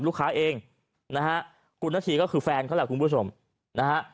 ลูกค้าเองนะฮะคุณนาธีก็คือแฟนเขาแหละคุณผู้ชมนะฮะ